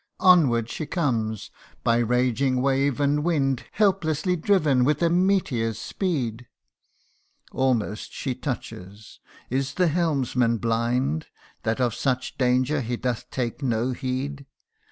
Onward she comes by raging wave and wind Helplessly driven with a meteor's speed : Almost she touches : is the helmsman blind, That of such danger he doth take no heed